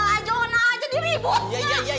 jauh jauh jadi ribut ya ya ya